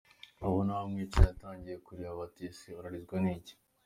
Babona wa mwicanyi atangiye kurira, bati ese urarizwa n’iki?